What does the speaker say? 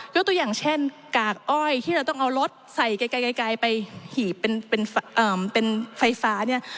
ตัวอย่างเช่นกากอ้อยที่เราต้องเอารถใส่ไกลไปหีบเป็นไฟฟ้าเนี่ย